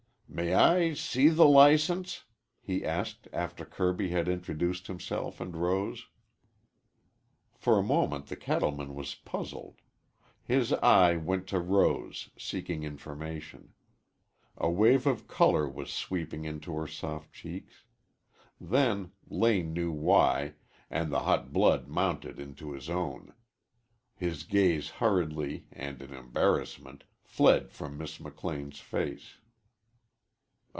"May I see the license?" he asked after Kirby had introduced himself and Rose. For a moment the cattleman was puzzled. His eye went to Rose, seeking information. A wave of color was sweeping into her soft cheeks. Then Lane knew why, and the hot blood mounted into his own. His gaze hurriedly and in embarrassment fled from Miss McLean's face.